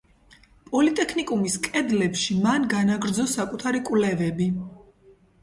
პოლიტექნიკუმის კედლებში მან განაგრძო საკუთარი კვლევები.